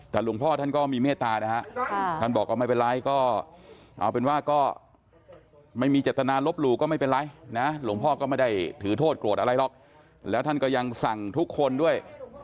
แต่หลวงพ่อท่านก็มีเมตตานะฮะท่านบอกก็ไม่เป็นไรก็เอาเป็นว่าก็ไม่มีเจตนาลบหลู่ก็ไม่เป็นไรนะหลวงพ่อก็ไม่ได้ถือโทษโกรธอะไรหรอกแล้วท่านก็ยังสั่งทุกคนด้วย